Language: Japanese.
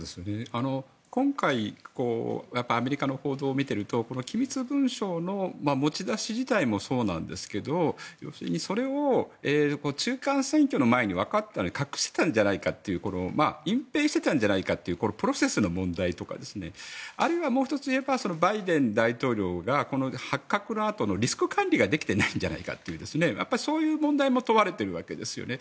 今回、アメリカの報道を見ていると機密文書の持ち出し自体もそうですけどそれを中間選挙の前に分かっていたのに隠ぺいしていたんじゃないかというプロセスの問題とかあるいはもう１つ言えばバイデン大統領が発覚のあとのリスク管理ができていないんじゃないかというそういう問題も問われているわけですね。